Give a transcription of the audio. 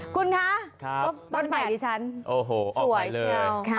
คุณค้าต้นไม้ดิฉันโอ้โหออกไปเลย